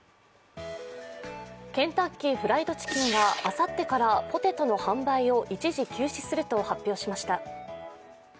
ケンタッキー・フライド・チキンがあさってからポテトの販売を一時休止すると発表しました。